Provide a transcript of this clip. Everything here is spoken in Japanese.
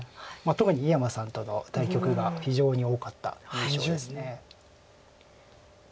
特に井山さんとの対局が非常に多かった印象です。